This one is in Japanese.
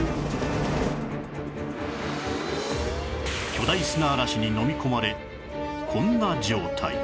巨大砂嵐にのみ込まれこんな状態